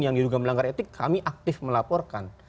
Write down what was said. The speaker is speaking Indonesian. yang diduga melanggar etik kami aktif melaporkan